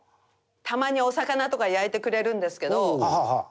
たまにお魚とか焼いてくれるんですけど